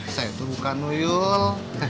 saya tuh bukan tuyul